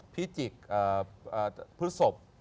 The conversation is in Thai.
พิจิกพฤศพ